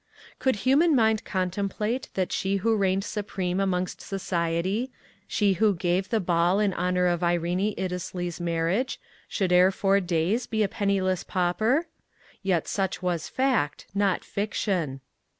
Could human mind contemplate that she who reigned supreme amongst society, she who gave the ball in honor of Irene Iddesleigh's marriage, should ere four days be a penniless pauper? Yet such was fact, not fiction.